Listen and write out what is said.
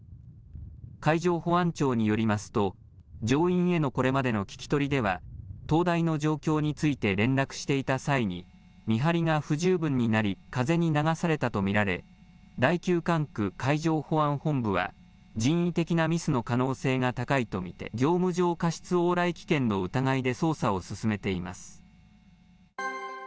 海上保安庁によりますと、乗員へのこれまでの聞き取りでは、灯台の状況について連絡していた際に、見張りが不十分になり、風に流されたと見られ、第９管区海上保安本部は人為的なミスの可能性が高いと見て、業務上過失往来危険の疑いで捜査を進めています。